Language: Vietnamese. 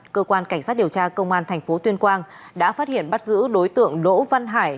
cơ quan cảnh sát điều tra công an thành phố tuyên quang đã phát hiện bắt giữ đối tượng đỗ văn hải